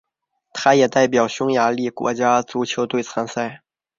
他也代表匈牙利国家足球队参赛。